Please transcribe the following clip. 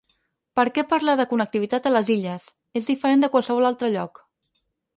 Perquè parlar de connectivitat a les Illes, és diferent de qualsevol altre lloc.